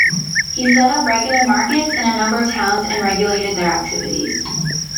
He set up regular markets in a number of towns and regulated their activities.